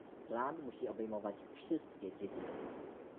Plan musi obejmować wszystkie dziedziny